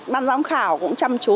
ban giám khảo cũng chăm chú